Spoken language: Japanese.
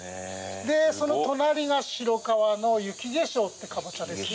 その隣が白皮の雪化粧ってカボチャですね。